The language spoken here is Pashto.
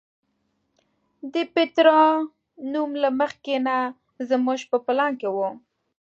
د پیترا نوم له مخکې نه زموږ په پلان کې و.